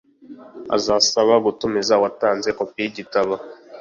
uzasaba gutumiza uwatanze kopi yigitabo